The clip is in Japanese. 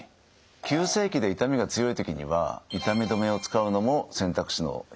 急性期で痛みが強い時には痛み止めを使うのも選択肢の一つです。